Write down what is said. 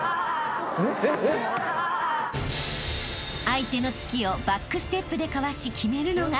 ［相手の突きをバックステップでかわし決めるのが］